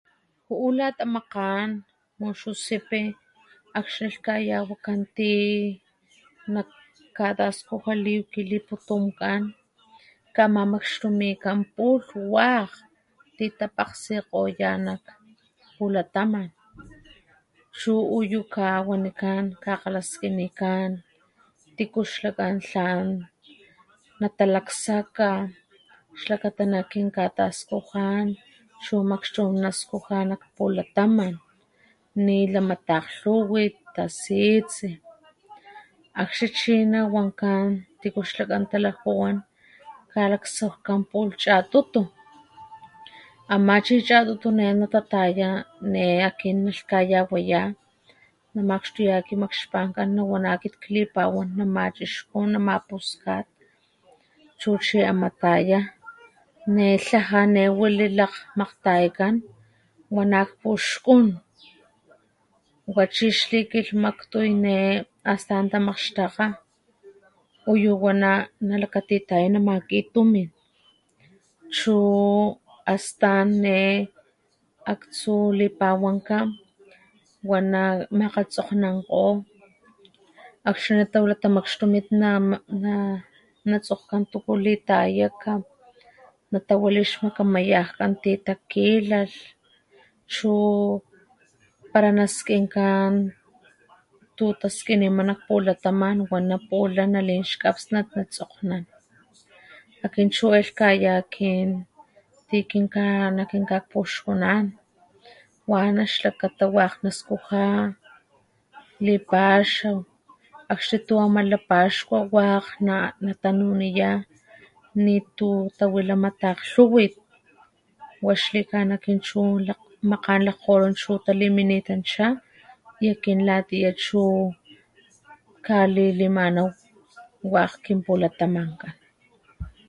Ju´u lata makgan nak muxusipi akxni lhkayawakan lata ti naktaskuja kiliputumkan kamamakxtumikan pulh wakg lata ti tatapakgsikgoya nak pulataman chu uyu kawanikan kakgalaskinikan tiku xlakgan tlan xlakata natalaksaka xlakata tlan nakinkataskujan chu makxtum naskuja nak pulataman nilama takglhuwit, tasitsi akxni chi nawankan tiku xlakan talakpuwan nalaksajkan chi chatutu ama chi chatutu nenatataya nakalaksajkan ne akin nalhkayawaya namakxtuya kimakxpankan nawana akit klipawan nama chixku nama pustak wachi ama taya ne tlaja ne snun makgtayakan wa na´akgpuxku wachi xlikilhmaktuy ne ama tamakgxtakga uyu wa nalakatitaya na maki tumin chu astan ne aktsu lipawanka wa namakatsokgnankgo akxni natawila tamakxtumit wa natsokgan tuku litatayaka natawali ix makamayakkan ti ta kilalh para naskinkan tu taskinima nak pulataman wana pula nalin ix kgapsnat namakgatsokgnan akin chu ja´e xlhkaya kin ti na kinka akpuxkukan wana xlakata wakg naskuja , lipaxaw tu ama la paxkua wakga natanuniya niyu tawilama takglhuwit wa xlikana chu lakgmakan lakgkgolon chu taliminitancha y akin latiya chu kalilimanaw wakg kin pulatamankan